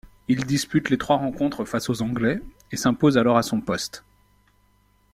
Il dispute les trois rencontres face aux Anglais et s'impose alors à son poste.